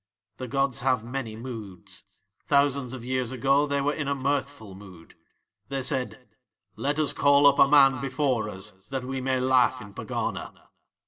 The gods have many moods. Thousands of years ago They were in a mirthful mood. They said: 'Let Us call up a man before Us that We may laugh in Pegana.'"